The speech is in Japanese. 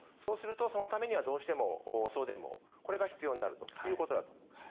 そのためには、どうしても送電網、これが必要になるということだと思います。